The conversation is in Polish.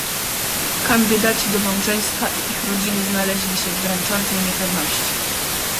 "Kandydaci do małżeństwa i ich rodziny znaleźli się w dręczącej niepewności."